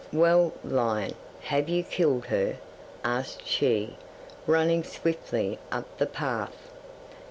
'"Well, lion, have you killed her?" asked she, running swiftly up the path.